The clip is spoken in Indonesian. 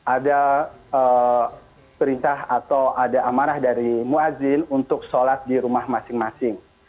ada perintah atau ada amanah dari muazzin untuk sholat di rumah masing masing